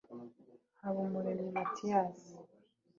Habumuremyi Mathias